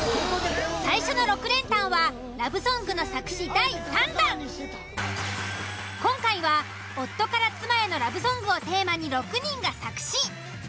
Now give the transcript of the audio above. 最初の６連単は今回は夫から妻へのラブソングをテーマに６人が作詞。